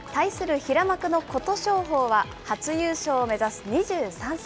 平幕の琴勝峰は、初優勝を目指す２３歳。